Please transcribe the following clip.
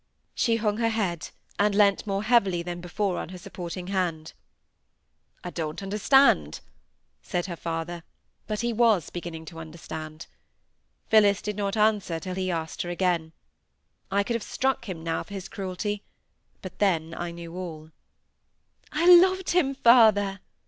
She hung her head, and leant more heavily than before on her supporting hand. "I don't understand," said her father; but he was beginning to understand. Phillis did not answer till he asked her again. I could have struck him now for his cruelty; but then I knew all. "I loved him, father!"